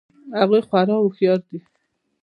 هغوی خورا هوښیار دي